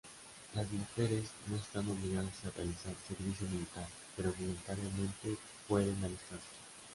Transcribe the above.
Las mujeres no están obligadas a realizar servicio militar, pero voluntariamente, pueden alistarse.